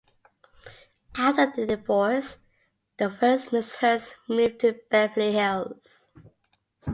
After their divorce, the first Mrs. Hearst moved to Beverly Hills.